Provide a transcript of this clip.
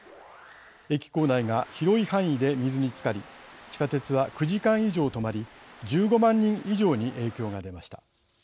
駅構内が広い範囲で水につかり地下鉄は９時間以上止まり１５万人以上に影響が出ました。